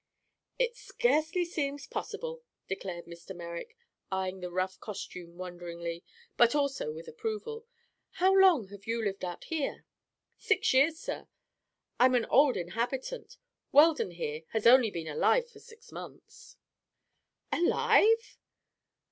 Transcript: "It scarcely seems possible," declared Mr. Merrick, eyeing the rough costume wonderingly but also with approval. "How long have you lived out here?" "Six years, sir. I'm an old inhabitant. Weldon, here, has only been alive for six months." "Alive?"